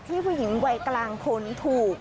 ผู้หญิงวัยกลางคนถูก